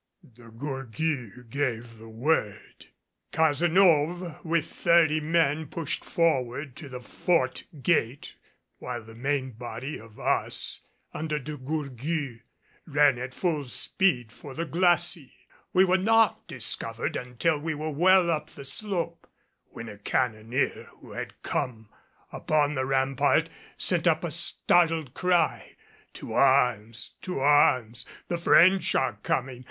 De Gourgues gave the word. Cazenove with thirty men pushed forward to the Fort gate while the main body of us under De Gourgues ran at full speed for the glacis. We were not discovered until we were well up the slope, when a cannoneer who had come upon the rampart sent up a startled cry. "To arms! To arms! The French are coming!